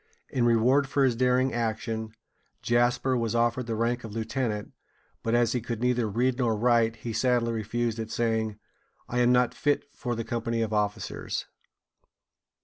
In reward for his daring action, Jasper was offered the rank of lieutenant; but as he could neither read nor write, he sadly refused it, saying: "I am not fit for the company of officers."